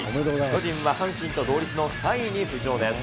巨人は阪神と同率の３位に浮上です。